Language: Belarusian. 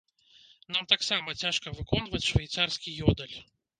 Нам таксама цяжка выконваць швейцарскі ёдэль.